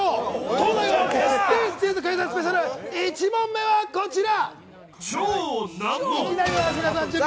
東大王ＳＤＧｓクイズスペシャル１問目はこちら。